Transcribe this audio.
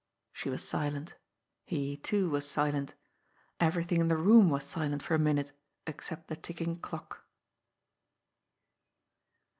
She was silent. He, too, was silent. Everything in the room was silent for a minute except the ticking clock.